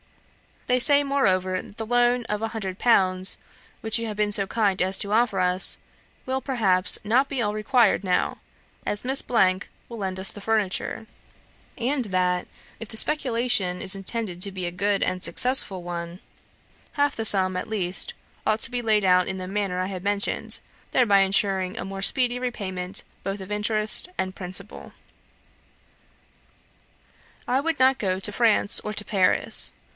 They say, moreover, that the loan of 100_l_., which you have been so kind as to offer us, will, perhaps, not be all required now, as Miss W will lend us the furniture; and that, if the speculation is intended to be a good and successful one, half the sum, at least, ought to be laid out in the manner I have mentioned, thereby insuring a more speedy repayment both of interest and principal. "I would not go to France or to Paris.